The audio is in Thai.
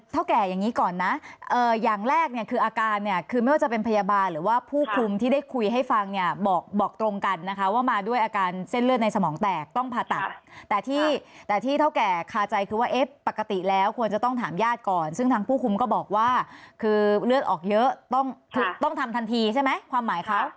แก่อย่างนี้ก่อนนะอย่างแรกเนี่ยคืออาการเนี่ยคือไม่ว่าจะเป็นพยาบาลหรือว่าผู้คุมที่ได้คุยให้ฟังเนี่ยบอกตรงกันนะคะว่ามาด้วยอาการเส้นเลือดในสมองแตกต้องผ่าตัดแต่ที่แต่ที่เท่าแก่คาใจคือว่าเอ๊ะปกติแล้วควรจะต้องถามญาติก่อนซึ่งทางผู้คุมก็บอกว่าคือเลือดออกเยอะต้องทำทันทีใช่ไหมความหมายเขา